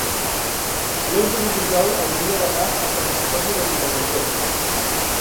l'onze de juliol hauria d'anar a Sant Antoni de Vilamajor.